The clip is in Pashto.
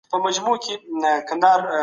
د فکر ازادي د انسان ذهن پراخوي.